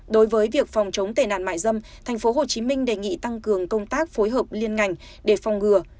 đối với việc phòng chống tệ nạn mại dâm tp hcm đề nghị tăng cường công tác phối hợp liên ngành để phòng ngừa